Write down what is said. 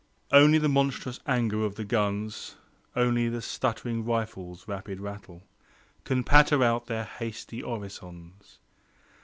Only the monstrous anger of the guns. Only the stuttering rifles' rapid rattle Can patter out their hasty orisons.